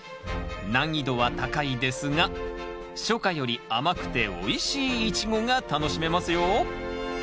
難易度は高いですが初夏より甘くておいしいイチゴが楽しめますよ